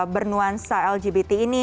bernuansa lgbt ini